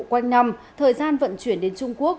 quanh năm thời gian vận chuyển đến trung quốc